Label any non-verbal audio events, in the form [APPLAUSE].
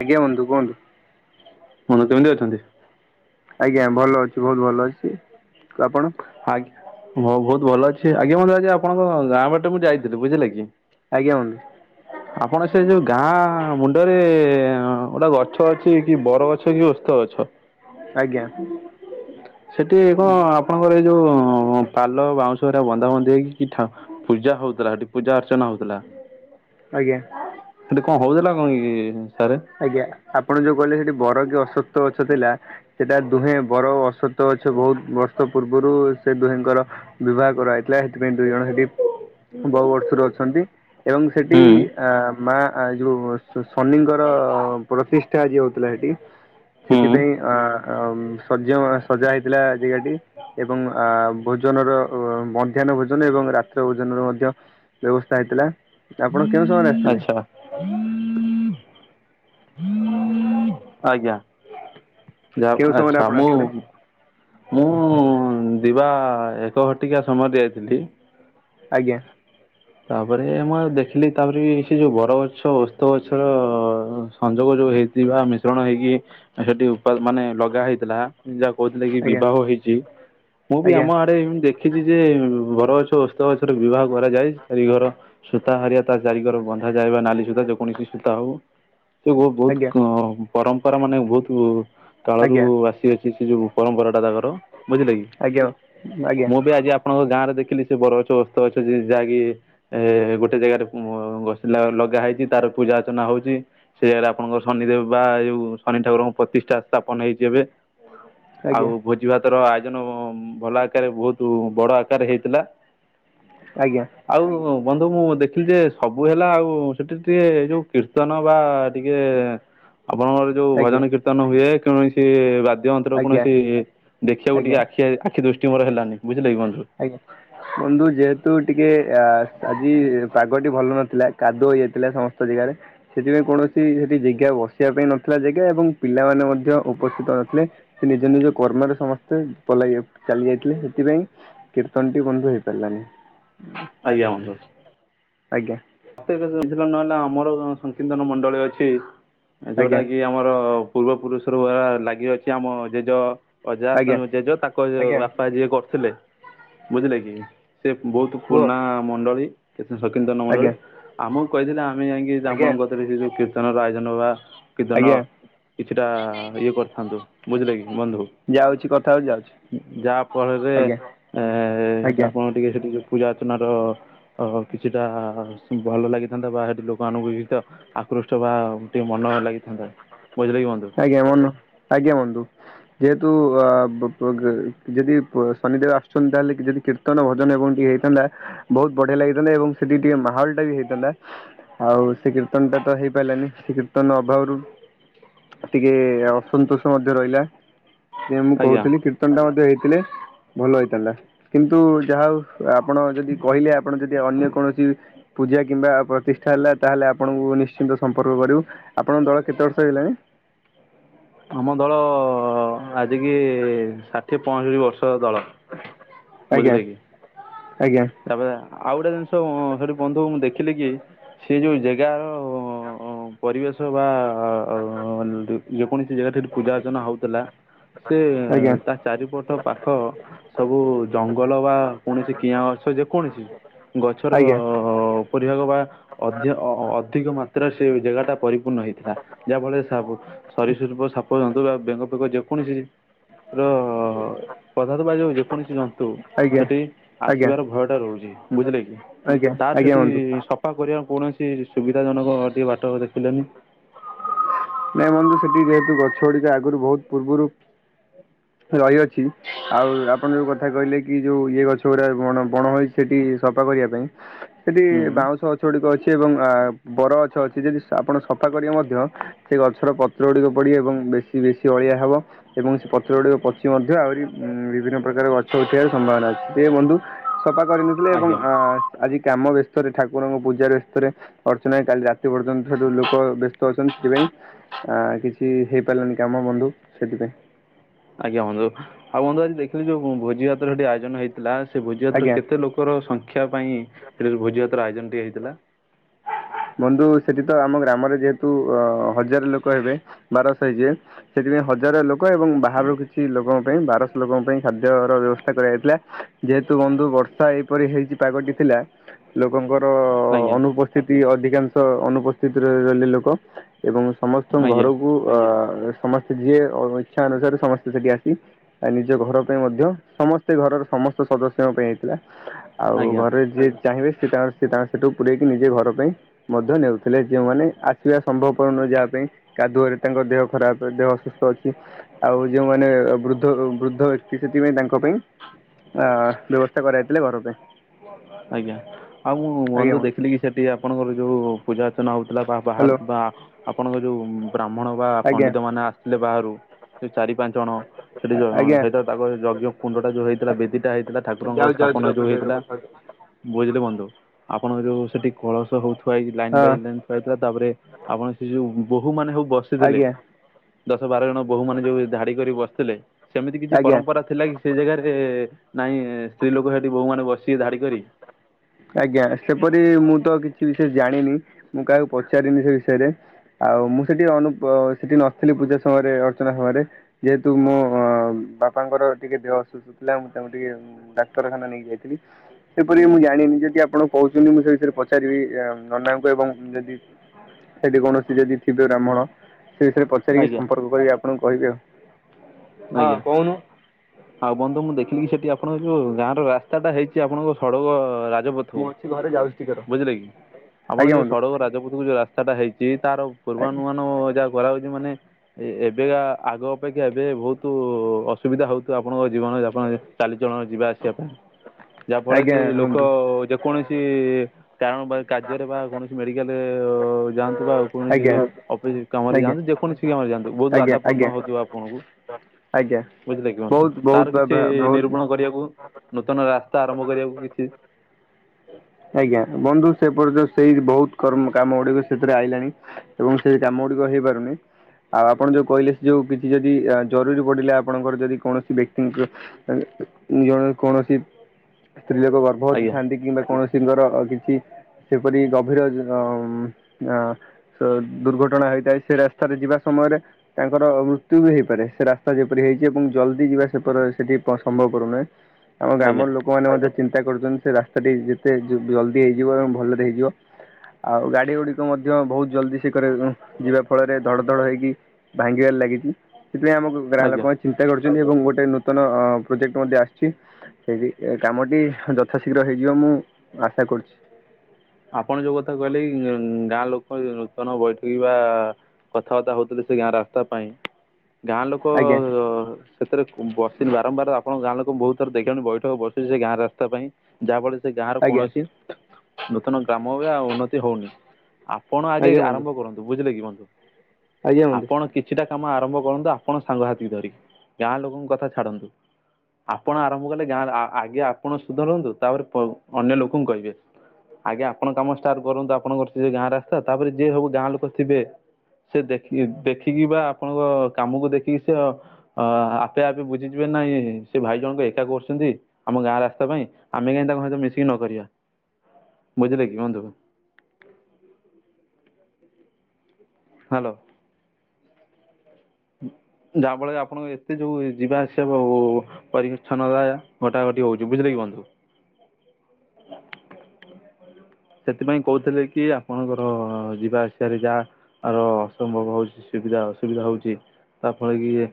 ଆଜ୍ଞା ବନ୍ଧୁ କୁହନ୍ତୁ। ମନୋଜ କେମିତି ଅଛନ୍ତି। ଆଜ୍ଞା ଭଲ ଅଛି ବହୁତ ଭଲ ଅଛି ତ ଆପଣ। ହଁ ବହୁତ ଭଲ ଅଛି ଆଜ୍ଞ ମତେ ଆଜି ଆପଣଙ୍କ ଗାଁ ବାଟରେ ମୁଁ ଯାଇଥିଲି ବୁଝିଲା କି। ଆଜ୍ଞା ବନ୍ଧୁ। ଆପଣ ସେ ଯୋଉ ଗାଁ ମୁଣ୍ଡରେ ଗୋଟେ ଗଛ ଅଛି କି ବର ଗଛ କି ଓସ୍ତ ଗଛ। ଛ। ଆଜ୍ଞା। ସେଠି କଣ। ଆପଣଙ୍କର ଯୋଉ ପାଲ ବାଉଁଶା ବନ୍ଧା ବନ୍ଧି ହେଇି କି ପୂଜା ହଉଥିଲା ସେଠି ପୂଜା ଅର୍ଚ୍ଚନା ହଉଥିଲା। ଆ। ଆଜ୍ଞା। ସେଠି କଣ ହଉଥିଲା କଣ କି। ସାରେ? ଆଜ୍ଞା ଆପଣ ଯୋଉ କହିଲେ ସେଠି ବର କି ଅସସ୍ତ ଗଛ ଥିଲା ସେଟା ଦୁହେଁ ବର ଅସତ ଓସ୍ତ ଗଛ ବହୁତ ବର୍ଷ ପୂର୍ବରୁ ସେ ଦୁହିଁଙ୍କର ବିବାହ କରାହୋଇଛି। ସେଥିପାଇଁ ଦୁଇ ଜଣ ସେଠି ବଉ ବର୍ଷରୁ ଅଛନ୍ତି ଏବଂ ସେଠି ହୁଁ ଆଁ ମା। ଆ ଯୋଉ ଶନିଙ୍କର ପ୍ରତିଷ୍ଠା ଆଜି ହଉଥିଲା ସେଇଠି। ହୁଁ ସେଥିପାଇଁ ଅ ସଯ ସଜା ହେଇଥିଲା ଜାଗାଟି ଏବଂ ଅ ଭୋ ଭୋଜନ ର ମଧ୍ୟାହ୍ନ ଭୋଜନ ଏବଂ ରାତ୍ର ଭୋଜନର ମଧ୍ୟ ବ୍ୟବସ୍ଥା ହେଇଥିଲା। ଆପଣ କେଉଁ ସମୟରେ ଆସିଥିଲେ ଆଚ୍ଛା। ଆଜ୍ଞା। ଯାହା କେଉଁ ଆପଣ ସମୟରେ ଆଚ୍ଛା ମୁଁ ଆସିଥିଲେ ମୁଁ। ଯିବା ଏକ ଘଟିକା ସମୟରେ ଯାଇଥିଲି। ଆଜ୍ଞା। ତାପରେ ମୁଁ ଆଉ ଦେଖିଲି ତାପରେ ବି ସେ ଯୋଉ ବର ଗଛ ଓସ୍ତ ଗଛର ସଂଯୋଗ ଯୋଉ ହେଇଥିବା ମିଶ୍ରଣ ହେଇକି ସେଠି ଉପା ମାନେ ଲଗା ହେଇଥିଲା ଯା କହୁଥିଲେକି ଆଜ୍ଞା ବିବାହ ହେଇଛି ମୁଁ ବି ଆଜ୍ଞା ଆମ ଆଡେ ଏମିତି ଦେଖିଛି ଯେ ବରଗଛ ଓସ୍ତ ଗଛର ବିବାହ କରାଯାଏ ଚାରି ଘର ସୁ ସୂତା ହାରିବା ତା ଚାରିକର ବନ୍ଧା ଯାଏ ବା ନାଲି ସୂତା ଯେକୌଣସି ସୂତା ହଉ ସେ ବହୁତ ବହୁତୁ ଆଜ୍ଞା କ ପରମ୍ପରା ମାନେ ବହୁତ କାଳରୁ ଆଜ୍ଞା ଆସିଅଛି ସେ ଯୋଉ ପରମ୍ପରା ଟା ତାଙ୍କର। ବୁଝିଲେ କି ଆଜ୍ଞା ଆଜ୍ଞା ମୁଁ ବି ଆଜି ଆପଣଙ୍କ ଗାଁ ରେ ଦେଖିଲି ସେ ବର ଗଛ ଓସ୍ତ ଗଛ ଯେ ଯାହାକି ଏ ଗୋଟେ ଜାଗାରେ ଘଷିଲା ବେଳୁ ଲଗା ହେଇଛି ତାର ପୂଜା ଅର୍ଚ୍ଚନା ହଉଛି ସେ ଜାଗାରେ ଆପଣଙ୍କର ଶନି ଦେବ ବା ଯୋଉ ଶନି ଠାକୁରଙ୍କଙ୍କୁ ପ୍ରତିଷ୍ଠା ସ୍ଥାପନ ହେଇଛି ଏବେ। ଆଜ୍ଞା ଆଉ ଭୋଜି ଭାତର ଆୟୋ ଜନ ହବ ଭଲ ଆକାରରେ ବହୁତ ବଡ ଆକାରରେ ହେଇଥିଲା। ଆଜ୍ଞା। ଆଉ ବନ୍ଧୁ ମୁ ଦେଖିଲି ଯେ ସବୁ ହେଲା ଆଉ ସେଠି ଟିକେ ଏ ଯୋଉ କୀର୍ତ୍ତନ ବା ଟିକେ ଏ ଆପଣଙ୍କର ଯୋଉ ଆଜ୍ଞା ଭଜନ କୀର୍ତ୍ତନ ହୁଏ କୌଣସି ବା ଦ୍ୟ ଯନ୍ତ୍ରର ଆଜ୍ଞା କୌଣସି ଦେଖିବାକୁ ଟିକେ ଆଜ୍ଞା ଆଖି ଆଖି ଦୃଷ୍ଟି ମୋର ହେଲାନି ବୁଝି ଆଜ୍ଞା ବନ୍ଧୁ ଯେହେତୁ ଟିକେ ଆ ଆଜି ପା ଗଟି ଭଲ ନଥିଲା କାଦୁଅ ହେଇଯାଇଥିଲା ସମସ୍ତ ଜାଗାରେ ସେଥିପାଇଁ କୌଣସି ସେଠି ଜେଗା ବସିବା ପାଇଁ ନଥିଲା ଯେ ଯେ ଏବଂ ପିଲାମାନେ ମଧ୍ୟ ଉପସ୍ଥିତ ନଥିଲେ ସେ ନିଜ ନିଜ କର୍ମରେ ସମସ୍ ସ୍ତେ ପଲାଇ ଚାଲି ଯାଇଥିଲେ ସେଥିପାଇଁ କୀର୍ତ୍ତନଟି ବନ୍ଧୁ ହେଇପାରିଲାନି। ଆଜ୍ଞା ପ୍ରତେସେସନ ଦିନ ନହେଲେ ଆମର ସଂକୀର୍ତ୍ତନ ମଣ୍ଡଳୀ ଅଛି। ଯୋଉଟା ଆଜ୍ଞା କି ଆମର ପୂର୍ବ ପୁରୁଷ ରୁ ଆ ଲାଗି ରଅଛି ଆମ ଜେଜ ଅଜା ତ ଆଜ୍ଞା ଜେଜେ ତାଙ୍କ ବାପା ଯିଏ କରୁଥିଲେ ବୁଝିଲେ କି? ସେ ବହୁତ କୁହ ପୁରଣା ମଣ୍ଡଳୀ କୀର୍ତନ ସଂକୀର୍ତନ ମଣ୍ଡଳୀ। ଆଜ୍ଞା ଆମକୁ କହିଥିଲେ ଆମେ ଯାଇକି ଆଜ୍ଞା ଆପଣଙ୍କ କତିରେ ସେ ଯୋଉ କୀର୍ତ୍ତନ ର ଆୟୋଜନ ବା କୀର୍ତନ ଆଜ୍ଞା କିଛିଟା ଇଏ କରିଥାନ୍ତୁ ବୁଝିଲେ କି ବନ୍ଧୁ। ଯାଉଛି କଥା ହଉଛି ଯାଉଛି ଯାହା ଫଳରେ ଆଜ୍ଞା ଏ ଆଜ୍ଞା। ଆପଣ ଟିକେ ସେଠି ଯଉ ପୂଜା ଅର୍ଚ୍ଚନାର ଅ କିଛିଟା ଭଲ ଲାଗିଥାନ୍ତା ବା ସେଠି ଲୋକମାନଙ୍କୁ ବିତ ଆକୃଷ୍ଟ ବା ଟିକେ ମନ ଲାଗିଥାନ୍ତା। ବୁଝିଲେ କି ବନ୍ଧୁ ଆଜ୍ଞା ବନ ଆଜ୍ଞା ବନ୍ଧୁ। ଯେହେତୁ ଆ ଯଦି ଶନିଦେବ ଆସୁଛନ୍ତି ତାହାଲେ ଯଦି କୀର୍ତ୍ତନ ଭଜନ ଏବଂ ଟିକେ ଥାନ୍ତା ବହୁତ ବଢିଆ ଲାଗିଥାନ୍ତା ଏବଂ ସେଠି ଟିକେ ମାହୋଲ ଟା ବି ହେଇଥାନ୍ତା ଆଉ ସେ କୀର୍ତ୍ତନ ଟା ତ ହେଇପାରିଲାନି ସେ କୀର୍ତ୍ତନ ଅଭାବରୁ ଟିକେ ଅସନ୍ତୋଷ ମଧ୍ୟ ରହିଲା। ଯେ ମୁଁ ଆଜ୍ଞା କହୁଥିଲି କୀର୍ତ୍ତନ ଟା ମଧ୍ୟ ହେଇଥିଲେ ଭଲ ହେଇଥାନ୍ତା କିନ୍ତୁ ଯାହାହଉ। ଆପଣ ଯଦି କହିଲେ ଆପଣ ଯଦି ଅନ୍ୟ କୌଣସି ପୂଜା କିମ୍ବା ପ୍ରତିଷ୍ଠା ହେଲା ତାହେଲେ ଆପଣଙ୍କୁ ନିଶ୍ଚିନ୍ତ ସମ୍ପର୍କ କରିବୁ ଆପଣଙ୍କ ଦଳ କେତେ ବର୍ଷ ହେଲାଣି? ଆମ ଦଳ ଆଜିିକି ଷାଠିଏ ପଅଁଷଠି ବର୍ଷର ଦଳ। ଆଜ୍ଞା ବୁଝିଲେ କି? ଆଜ୍ଞା। ତାପରେ ଆଉ ଗୋଟେ ଜିନିଷ ସେଠି ବନ୍ଧୁ ମୁଁ ଦେଖି ଲି କି ସେ ଯୋଉ ଜାଗାର ପରିବେଶ ବା ହଁ ହଁ ହଁ। ଯେକୌଣସି ଜାଗାରେ ଠି ପୂଜା ଅର୍ଚ୍ଚନା ହଉଥିଲା। ସେ ଆଜ୍ଞା ତା ଚାରିପଟ ପାଖ ସବୁ ଜଙ୍ଗଲ ବା କୌଣସି କିଆଁ ଗଛ ଯେ କୌଣସି ଗଛର ଆଜ୍ଞା ଅ ଉପରିଭାଗ ବା ଅଧ୍ୟ ଅ ଅଧିକ ମାତ୍ରାରେ ସେ ଜାଗା ଟା ପରିପୂର୍ଣ୍ଣ ହେଇଥିଲା ଯାହା ଫଳରେ ସ ସରୀସୃପ ସାପ ଜୀବଜନ୍ତୁ ବେଙ୍ଗ ଫେଙ୍ଗ ଯେକୌଣସି ପଦାର୍ଥ ବାଜ ଯେକୌଣସି ଜନ୍ତୁ ଆଜ୍ଞା ସେଠି ଆ ଆଜ୍ଞା ଥିବାର ଭୟ ଟା ରହୁଛି। ବୁଝିଲେ କି? ଆଜ୍ଞା ତାର ଆଜ୍ଞା ସେଠି ବନ୍ଧୁ ସଫା କରିବା କୌଣସି ସୁବିଧା ଜନକ ଟିକେ ବାଟ ଦେଖିଲେନି। ନାଇଁ ମାନେ ସେଠି ଯେହେତୁ ଗଛ ଗୁଡିକ ଆଗରୁ ବହୁତ ପୂର୍ବରୁ ରହିଅଛି। ଆଉ ଆପଣ ଯେଉଁ କଥା କହିଲେ କି? ଯେଉଁ ଇଏ ଗଛ ଗୁଡ଼ା ବଣ ହୋଇଛି। ସେଠି ସଫା କରିବା ପାଇଁ। ସେଠି ହୁଁ ବାଉଁଶ ଗଛ ଗୁଡିକ ଅଛି ଏବଂ ବର ଗଛ ଅଛି। ଯଦି ଆପଣ ସଫା କରିବେ ମଧ୍ୟ ସେ ଗଛର ପତ୍ର ଗୁଡିକ ପଡିିକି ଏବଂ ବେଶୀ ବେଶୀ ଅଳିଆ ହବ ଏବଂ ସେ ପ ପତ୍ର ଗୁଡିକ ପଚି ମଧ୍ୟ ଆହୁରି ବିଭିନ୍ନ ପ୍ରକାର ଗଛ ଉଠିବାର ସମ୍ଭାବନା ଅଛି। ହେ ବନ୍ଧୁ ସଫା କରିନଥିଲେ ଏବଂ ଆଜ୍ଞା ଆ ଆଜି କାମ ବ୍ୟସ୍ତରେ ଠାକୁରଙ୍କ ପୂଜା ବ୍ୟସ୍ତରେ ଅର୍ଚ୍ଚନା କାଲି ରାତି ପର୍ଯ୍ୟନ୍ତ ଠୁ ଲୋକ ବ୍ୟସ୍ତ ଅଛନ୍ତି। ସେଥିପାଇଁ ଆ କିଛି ହେଇପାରିଲାନି କାମ ବନ୍ଧୁ ସେଥିପାଇଁ। ଆଜ୍ଞା ବୁନ୍ଧୁ ଆଉ ବନ୍ଧୁ ଆଜି ଦେଖିଲି ଯୋଉ ଭୋଜି ଭାତ ଯୋଉଠି ଆୟୋଜନ ହେଇଥିଲା। ସେ ଭୋଜଭାତ ର ଆଜ୍ଞା। କେତେ ଲୋକର ସଂଖ୍ୟା ପାଇଁ ସେ ଭୋଜିଭାତ ର ଆୟୋଜନଟିଏ ହେଇଥିଲା? ବନ୍ଧୁ ସେଠି ତ ଆମ ଗ୍ରାମରେ ଯେହେତୁ ଅ ହଜାର ଲୋକ ହେବେ ବାରଶହ ହେଇଯିବେ ସେଠି ଥିପାଇଁ ହଜାର ଲୋକ ଏବଂ ବାହାରରୁ କିଛି ଲୋକଙ୍କ ପାଇଁ ବାରଶହ ଲୋକଙ୍କ ପାଇଁ ଖାଦ୍ୟର ବ୍ୟବସ୍ଥା କରାଯାଇଥିଲା। ଯେହେତୁ ବନ୍ଧୁ ବର୍ଷା ଏହିପରି ହେଇଛି ପାଗଟି ସେଥ ଲା ଲୋକଙ୍କର ର ଆଜ୍ଞା ଅନୁପସ୍ଥିତି ଅଧିକାଂଶ ଅନୁପସ୍ଥିତିରେ ରହିଲେ ଲୋକ ଏବଂ ସମସ୍ତଙ୍କ ଆଜ୍ଞା ଘରକୁ ଆ ସମସ୍ତେ ଯିଏ ଅ ଇଚ୍ଛା ଅନୁସାରେ ସମସ୍ତେ ସେଠି ଆସିଆ ନିଜ ଘର ପାଇଁ ମଧ୍ୟ ସମସ୍ତେ ଘର। ସମସ୍ତ ସଦସ୍ୟଙ୍କ ପାଇଁ ହେଇଥିଲା। ଆଉ ଆଜ୍ଞା। ଘରେ ଯିଏ ଚାହିଁବେ ସେ ତାଙ୍କର ସେ ତାଙ୍କର ସେଠୁ ପୁରଇକି ନିଜେ ଘର ପାଇଁ ମଧ୍ୟ ନେଉଥିଲେ। ଯେଉମାନେ ଆସିବା ସମ୍ଭବ ପର ନୁହେଁ। ଯାହା ପାଇଁ କାଦୁଅରେ ତାଙ୍କ ଦେହ ଖରାପ। ଦେହ ଅସୁସ୍ଥ ଅଛି। ଆଉ ଯୋଉମାନେ ବୃଦ୍ଧ ବୃଦ୍ଧ ତ ଏଠି ସେଥିପାଇଁ ତାଙ୍କ ପାଇଁ ଆ ବ୍ୟବସ୍ଥା କରାଯାଇଥିଲେ ଘର ପାଇଁ। ଆଜ୍ଞା ଆଉ ମୁଁ ବନ୍ଧୁ ଦେଖିଲି କି ସେଠି ଆପଣଙ୍କର ଯୋଉ ପୂଜା ଅର୍ଚ୍ଚନା ହଉଥିଲା ବା ବାହାର ହ୍ୟାଲୋ ବା ଆପଣଙ୍କ ଯୋଉ ବ୍ରାହ୍ମଣ ବା ଆଜ୍ଞା ପଣ୍ଡିତ ମାନେ ଆସୁଥିଲେ ବାହାରୁ। ସେ ଚାରି ପାଞ୍ଚ ଜଣ ସେଠି ଜୋ ହ ଆଜ୍ଞା ହେଇଥିଲା। ତାଙ୍କ ଯଜ୍ଞ କୁଣ୍ଡ ଟା ଯୋଉ ହେଇଥିଲା ବେଦୀ। ହେଇଥିଲା ଠାକୁରଙ୍କର ସ୍ଥାପନ ହେ ଯଉ ହେଇଥିଲା ବୁଝିଲେ ବନ୍ଧୁ ଆ ଆପଣ ଯୋଉ ସେଠି କଳସ ହଉ ବାଇକି ଲାଇନ୍ ବାଇ ହଁ ଲାଇୁନ୍ ଯାଇଥିଲା। ତାପରେ ଆପଣ ସେ ଯୋଉ ବୋହୂ ମାନେ ସବୁ ବସିଥିଲେ। ଆଜ୍ଞା ଦଶ ବାର ଜଣ ବୋହୁ ମାନ ଯୋଉ ଧାଡି କରି ବସିଥିଲେ। ସେମିତି କିଛି ଆଜ୍ଞା ପରମ୍ପରା ଥିଲା କି ସେ ଜେଗାରେ। ନାଇଁ ସ୍ତ୍ରୀ ଲୋକ ସେଠି ବୋଉ ମାନେ ବସି ଧାଡି କରି। ସେ ବିଷୟରେ ଜାଣିନି। ମୁଁ କାହାକୁ ପଚାରିନି ସେ ବିଷୟରେ ଆଉ। ମୁଁ ସେଠି ଅନୁପ ସେଠି ନଥିଲି। ପୂଜା ସମୟରେ ଅର୍ଚ୍ଚନା ସମୟରେ। ଯେହେତୁ ମୋ ଅ ବାପାଙ୍କର ଟିକେ ଦେହ ଅସୁସ୍ଥ ଥିଲା। ମୁଁ ତାଙ୍କୁ ଟିକେ ସିଏ ଡାକ୍ତରଖାନା ନେଇକି ଯାଇଥିଲି। ସେପରିିକ ମୁଁ ଜାଣିନି। ଯଦି ଆପଣ କହୁଛନ୍ତି। ମୁଁ ସେ ବିଷୟରେ ପଚାରିବି ଅ ନନାଙ୍କୁ ଏବଂ ଯଦି ସେଠି କୌଣସି ଯଦି ଥିବେ ବ୍ରାହ୍ମଣ ସେ ବିଷୟରେ ପଚାରିକି ଆଜ୍ଞା ସମ୍ପର୍କ କରିକି ଆପଣଙ୍କୁ କହିବେ ଆଉ। ଆଜ୍ଞା, ଆଉ ବନ୍ଧୁ ମୁଁ ଦେଖିଲି କି ସେଠି ଆ ଆପଣଙ୍କ ଯୋଉ ଗାଁ ର ରାସ୍ତାଟା ହେଇଛି ଆପଣଙ୍କ ସଡକ ରା ରାଜପଥକୁ ଆଉ ବୁଝିଲେ କି। ଆପଣ ଆଜ୍ଞା ଯଉ ବନ୍ଧୁ ସଡ଼କ ରାଜପଥ କୁ ଯଉ ରାସ୍ତାଟା ହେଇଛି। ତାର ପୂର୍ବାନୁମାନ ଯାହା କରାହାଉଛି ମାନେ ଏବେକା ଆଗ ଅପେକ୍ଷା ଏବେ ବହୁତ ତୁ ଅସୁବିଧା ହଉଥିଵ ଆପଣଙ୍କ ଜୀବନ ଯାପନରେ ଚାଲିଚଳଣ ଯିବା ଆସିବା ପାଇଁ। ଯାହା ଫଳରେ କି ଆଜ୍ଞା ଲୋକ ବନ୍ଧୁ ଯେକୌଣସି। ଟି କାରଣ ବା କାର୍ଯ୍ୟରେ ବା କୌଣସି ମେଡିକାଲରେ ଯାଆ ସୁବାଓ କୌଣସି ଆଜ୍ଞା। ଅଫିସ କାମରେ ଆଜ୍ଞା ଯାଆନ୍ତୁ। ଯେକୌଣସି କାମରେ ଯାଆନ୍ତୁ ବହୁତ ଆଜ୍ଞା ବାଧାପନ୍ନ ଆଜ୍ଞା ହଉଥିବ ଆପଣଙ୍କୁ। ଆଜ୍ଞା ବୁଝିଲେ କି ବହୁତ ବହୁତ ବନ୍ଧୁତାର ବା- କିଛି ବା- ବହୁତ ନିରୂପଣ କରିବାକୁ। ନୂତନ ରାସ୍ତା ଆରମ୍ଭ କରିବାକୁ କିଛି ଆଜ୍ଞା ବନ୍ଧୁ ସେପର୍ଯ୍ୟ ସେଇ ବହୁତ କର୍ମ କାମ ଗୁଡିକ ସେଥିରେ ଆଇଲାଣି ଏବଂ ସେଇ କାମ ଗୁଡିକ ହେଇପାରୁନି। ଆଉ ଆପଣ ଯୋଉ କହିଲେ ଯୋଉ କିଛି ଯଦି ଆ ଜରୁରୀ ପଡିଲା ଆପଣଙ୍କର ଯଦି କୌଣସି ବ୍ୟକ୍ତିଙ୍କ ଜଣେ କୌଣସି ସ୍ତ୍ରୀ ଲୋକ ଗର୍ଭବତୀ ଆଜ୍ଞା ଥାନ୍ତି କିମ୍ବା କୌଣସି ଆଉ କିଛି ସେପରି ଗଭୀର ଆଁମ ଆଁ ଦୁର୍ଘଟଣା ହେଇଥାଏ ସେ ରାସ୍ତାରେ ଯିବା ସମ୍ଭବ ସମୟରେ ତାଙ୍କର ମୃତ୍ୟୁ ବି ହେଇପାରେ ସେ ରାସ୍ତା ଯେପରି ହେଇଛି ଏବଂ ଜଲଦି ଯିବା ସେପର ସେଠି ପସ ସମ୍ଭବ କରୁ ନାଇଁ ଆମ ଆଜ୍ଞା ଗ୍ରାମର ଲୋକମାନେ ମଧ୍ୟ ଚିନ୍ତା କରୁଛନ୍ତି ସେ ରାସ୍ତାଟି ସେ ଜୁ ଜଲଦି ହେଇଯିବ ଏବଂ ଭଲରେ ହେଇଯିବ ଆଉ ଗାଡି ଗୁଡିକ ତୁ ମଧ୍ୟ ବହୁତ ଜଲଦି ସେ କରେ ଉ ଯିବା ଫଳରେ ଧଡ ଧଡ ହେଇକି ଭାଙ୍ଗିବାରେ ଲାଗିଛି ସେଥିପାଇଁ ଆମ ଗଗାଁ ଆଜ୍ଞା ଲୋକମାନେ ଚିନ୍ତା କରୁଛନ୍ତି ଏବଂ ଗୋଟେ ନୂତନ ଅ ପ୍ରୋଜେକ୍ଟ ମଧ୍ୟ ଆସିଛି। ସେଇଠି ଏ କାମଟି ଯଥା ଶୀଘ୍ର ହେଇଯିବ ମୁଁ ଆଶା କରୁଛି। ଆପଣ ଯୋଉ କଥା କହିଲେ କି ଗାଁ ଲୋକ ଅୟ ନୂତନ ବୈଠକ ବା କଥାବାର୍ତ୍ତା ହଉଥିଲେ ସେ ଗାଁ ରାସ୍ତା ପାଇଁ। ଗାଁ ଲୋକ ଆଜ୍ଞା ଅ ସେଥିରେ ବସିନି ବାରମ୍ବାର ଆପଣଙ୍କ ଗାଁ ଲୋକ ବହୁତ ଥର ଦେଖିଲିଣି ବୈଠକ ବସୁଛି ସେ ଗାଁ ରାସ୍ତା ପାଇଁ ଯାହା ଫଳରେ ସେ ଗାଁ ର ଆଜ୍ଞା କୌଣସି ନୂତନ ଗ୍ରାମ ବି ଆଉ ଉନ୍ନତି ହଉନି ଆପଣ ଆଗେ ଆଜ୍ଞା ବନ୍ଧୁ ଆରମ୍ଭ କରନ୍ତୁ ବୁଝିଲେ କି ବନ୍ଧୁ। ଆଜ୍ଞା ବନ୍ଧୁ ଆପଣ କିଛିଟା କାମ ଆରମ୍ଭ କରନ୍ତୁ ଆପଣ ସାଙ୍ଗ ସାଥୀକି ଧରିକି ଗାଁ ଲୋକଙ୍କ କଥା ଛାଡନ୍ତୁ। ଆପଣ ଆରମ୍ଭ କଲେ ଗାଁ, ଆଗେ ଆପଣ ସୁଧରନ୍ତୁ ତାପରେ ଅନ୍ୟ ଲୋକଙ୍କୁ କହିବେ। ଆଜ୍ଞା ଆପଣ କାମ ଷ୍ଟାର୍ଟ କରନ୍ତୁ, ଆପଣଙ୍କର ସେ ଯଉ ଗାଁ ରାସ୍ତା ତାପରେ ଯିଏ ସବୁ ଗାଁ ଲୋକ ଥିବେ ସେ ଦେଖି ଦେଖିକି ବା ଆପଣଙ୍କ କାମକୁ ଦେଖିକି ସେ ଅ ଆପେ ଆପେ ବୁଝିଯିବେ। ନାଇଁ ସେ ଭାଇ ଜଣଙ୍କ ଏକା କରୁଛନ୍ତି, ଆମ ଗାଁ ରାସ୍ତା ପାଇଁ, ଆମେ କାହିଁ ତାଙ୍କ ସହିତ ମିଶିକି ନ କରିବା? ବୁଝିଲେକି ବନ୍ଧୁ। ହାଲୋ। ହୁଁ। [UNINTELLIGIBLE] ଯାହା ଫଳ ରେ ଆପଣଙ୍କୁ ଏତେ ଯୋଉ ଯିବା ଆସିବା ପରିଚ୍ଛନ୍ନ ଦାୟ ଘଟାଘଟି ହଉଛି ବୁଝିଲେ କି? ବନ୍ଧୁ। [INAUDIBLE] ସେଥିପାଇଁ କହୁଥିଲେ କି- ଆପଣଙ୍କର ଯିବା ଆସିବାରେ ଯା ର ଅସମ୍ଭବ ହଉଛି ସୁବିଧା ଅସୁବିଧା ହଉଛି ତା ଫଳରେ କି